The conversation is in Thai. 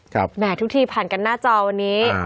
แหมทุกทีผ่านกันหน้าจอวันนี้